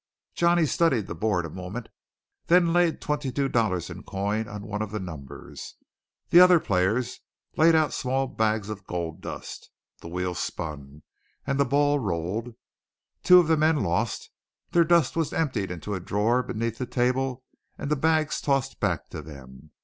Johnny studied the board a moment then laid twenty two dollars in coin on one of the numbers. The other players laid out small bags of gold dust. The wheel spun, and the ball rolled. Two of the men lost; their dust was emptied into a drawer beneath the table and the bags tossed back to them.